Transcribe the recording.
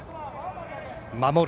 守る